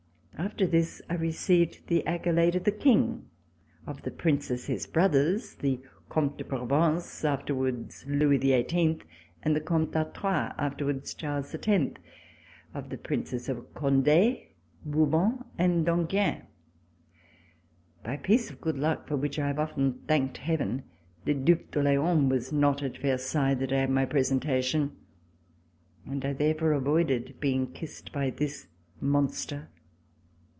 After this I received the accohide of the King; of the Princes, his brothers, the Comte de Provence, afterwards Louis XVlll, and the Comte d'Artois, afterwards Charles X; of the Princes of Conde, Bour bon and d'Enghien. By a piece of good luck, for which I have often thanked Heaven, the Due d'Orlcans was not at Versailles the day of my presen tation, and I therefore avoided being kissed by this monster.